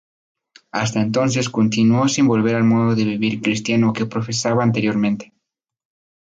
Hasta entonces continuó sin volver al modo de vivir cristiano que profesaba anteriormente.